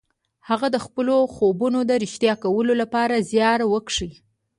هغه د خپلو خوبونو د رښتيا کولو لپاره زيار وکيښ.